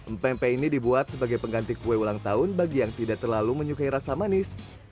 mpe mpe ini dibuat sebagai pengganti kue ulang tahun bagi yang tidak terlalu menyukai rasa manis